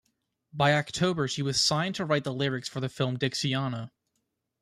By October she was signed to write the lyrics for the film "Dixiana".